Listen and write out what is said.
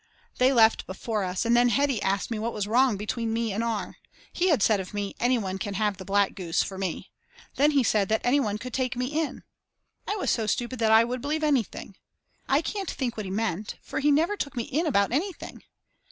They left before us, and then Heddy asked me what was wrong between me and R. He had said of me: Any one can have the black goose for me. Then he said that any one could take me in. I was so stupid that I would believe anything. I can't think what he meant, for he never took me in about anything.